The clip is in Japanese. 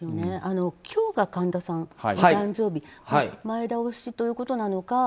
今日が神田さん、お誕生日で前倒しということなのか